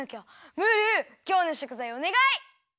ムールきょうのしょくざいおねがい！